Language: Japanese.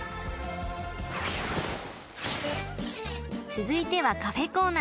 ［続いてはカフェコーナー］